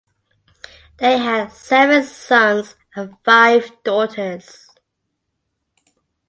They had seven sons and five daughters.